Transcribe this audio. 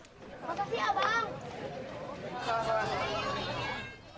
berikut kisah kisah terbaru dari ketua komite pertama